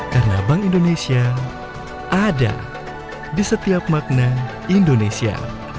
karena bank indonesia ada di setiap makna indonesia